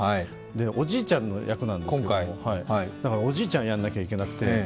おじいちゃんの役なんですけれどもだからおじいちゃんやらないといけなくって。